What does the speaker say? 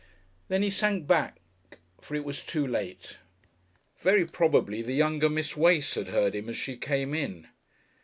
Then he sank back, for it was too late. Very probably the younger Miss Wace had heard him as she came in.